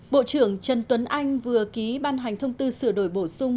bộ trưởng trần tuấn anh vừa ký ban hành thông tư sửa đổi bổ sung